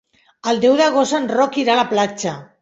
El deu d'agost en Roc irà a la platja.